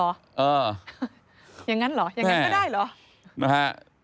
หรออย่างนั้นหรออย่างนั้นก็ได้หรอ